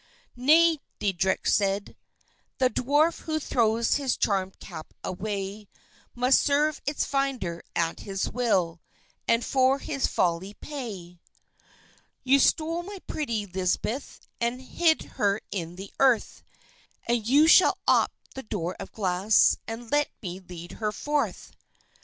"Nay," Deitrich said; "the Dwarf who throws his charmèd cap away, Must serve its finder at his will, and for his folly pay. "You stole my pretty Lisbeth, and hid her in the earth; And you shall ope the door of glass and let me lead her forth."